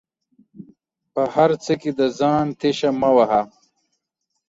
په هر څه کې د ځان تيشه مه وهه